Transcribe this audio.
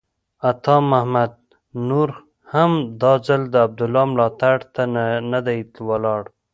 عطا محمد نور هم دا ځل د عبدالله ملاتړ ته نه دی ولاړ.